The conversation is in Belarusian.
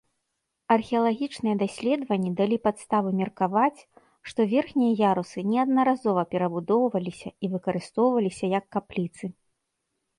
Археалагічныя даследаванні далі падставы меркаваць, што верхнія ярусы неаднаразова перабудоўваліся і выкарыстоўваліся як капліцы.